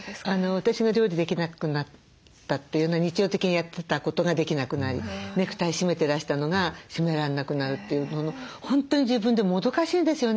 私が料理できなくなったというのは日常的にやってたことができなくなりネクタイ締めてらしたのが締めらんなくなるというのの本当に自分でもどかしいんですよね。